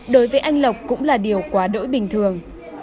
đối với anh lộc cũng là điều quá đỗi bình thường